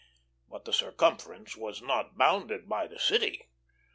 But the circumference was not bounded by the city.